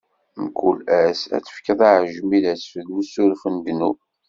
Mkul ass ad tefkeḍ aɛejmi d asfel n usuref n ddnub.